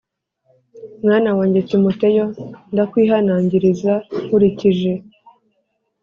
Mwana wanjye Timoteyo, ndakwihanangiriza nkurikije